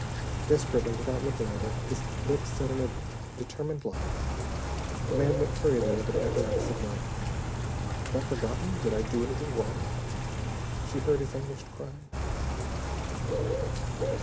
Desperately, without looking at her, his lips set in a determined line, the man went hurriedly over the apparatus again. "Have I forgotten, did I do anything wrong?" she heard his anguished cry.